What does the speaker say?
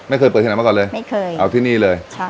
ไม่เคยเปิดที่ไหนมาก่อนเลยไม่เคยเอาที่นี่เลย